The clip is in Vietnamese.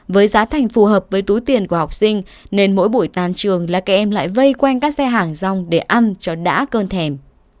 với giá thành phù hợp với túi tiền của học sinh nên mỗi buổi tan trường là các em lại vây quanh các xe hàng rong để ăn cho đã cơn thèm